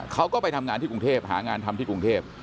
เขาก็ไปทำงานที่กรุงเทพหางานทำที่กรุงเทพ